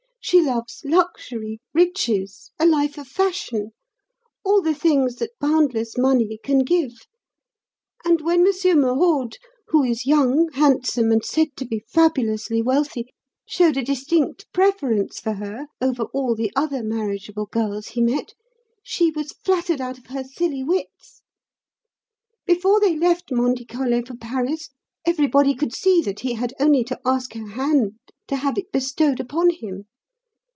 She loves luxury, riches, a life of fashion all the things that boundless money can give; and when Monsieur Merode who is young, handsome, and said to be fabulously wealthy showed a distinct preference for her over all the other marriageable girls he met, she was flattered out of her silly wits. Before they left Monte Carlo for Paris everybody could see that he had only to ask her hand, to have it bestowed upon him.